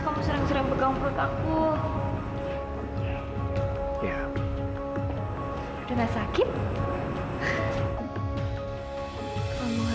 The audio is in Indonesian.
kamu sering sering pegang perut aku